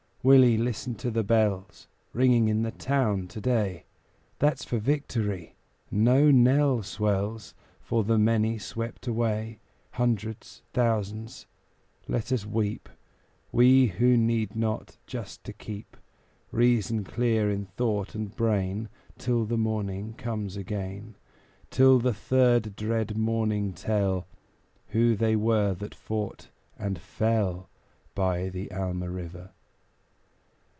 Willie, listen to the bells Ringing in the town to day; That's for victory. No knell swells For the many swept away Hundreds, thousands. Let us weep, We, who need not just to keep Reason clear in thought and brain Till the morning comes again; Till the third dread morning tell Who they were that fought and fell By the Alma River.